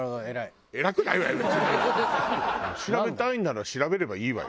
調べたいなら調べればいいわよ。